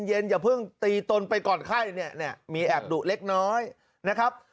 อย่าเพิ่งตีตนไปก่อนไข้เนี่ยมีแอบดุเล็กน้อยนะครับ